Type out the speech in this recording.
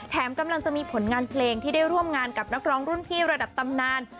กำลังจะมีผลงานเพลงที่ได้ร่วมงานกับนักร้องรุ่นพี่ระดับตำนาน